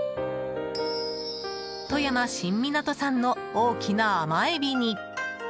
富山新港産の大きな甘エビに。